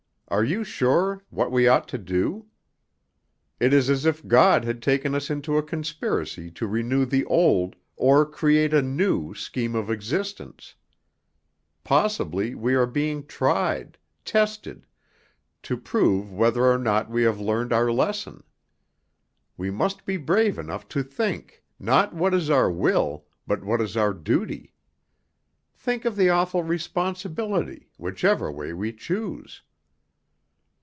Are you sure what we ought to do? It is as if God had taken us into a conspiracy to renew the old, or create a new, scheme of existence. Possibly we are being tried, tested, to prove whether or not we have learned our lesson. We must be brave enough to think, not what is our will, but what is our duty. Think of the awful responsibility, whichever way we choose."